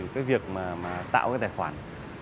cái việc mà tạo cái tài khoản